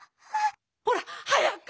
ほらはやく！